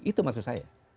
itu maksud saya